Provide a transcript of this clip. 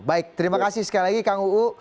baik terima kasih sekali lagi kang uu